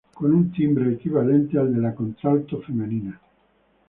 De timbre equivalente al de la contralto femenina.